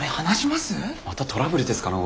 またトラブルですかね